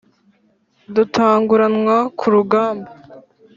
dutanguranwa ku rugamba